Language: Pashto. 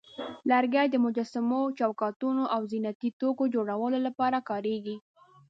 لرګي د مجسمو، چوکاټونو، او زینتي توکو جوړولو لپاره کارېږي.